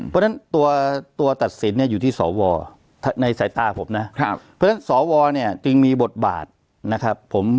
เพราะฉะนั้นตัวตัดสินเนี่ยอยู่ที่สวในสายตาผมนะเพราะฉะนั้นสวเนี่ยจึงมีบทบาทนะครับ